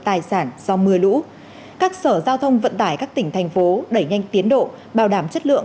tài sản do mưa lũ các sở giao thông vận tải các tỉnh thành phố đẩy nhanh tiến độ bảo đảm chất lượng